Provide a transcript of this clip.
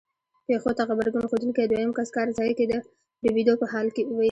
پېښو ته غبرګون ښودونکی دویم کس کار ځای کې د ډوبېدو په حال وي.